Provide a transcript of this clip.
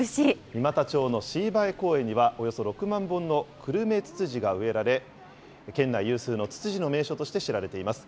三股町の椎八重公園にはおよそ６万本のクルメツツジが植えられ、県内有数のツツジの名所として知られています。